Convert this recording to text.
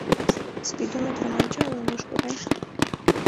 — Спидометрым ончал, Ануш кокай!